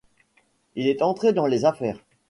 Il est entré dans les affaires.